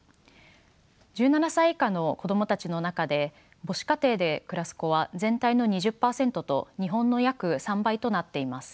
１７歳以下の子供たちの中で母子家庭で暮らす子は全体の２０％と日本の約３倍となっています。